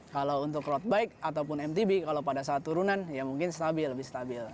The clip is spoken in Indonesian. kalau untuk road bike ataupun mtb kalau pada saat turunan ya mungkin stabil lebih stabil